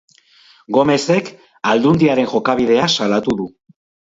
Gomezek Aldundiaren jokabidea salatu du.